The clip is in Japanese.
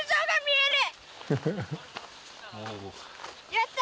やった！